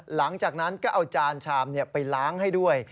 หลังจากนั้นก็เอาจานชามไปล้างให้ด้วย